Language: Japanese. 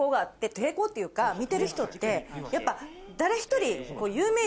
抵抗っていうか見てる人ってやっぱ。